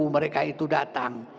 mereka itu datang